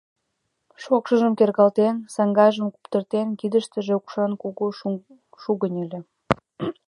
Шокшыжым кергалтен, саҥгажым куптыртен, кидыштыже укшан кугу шугынь ыле.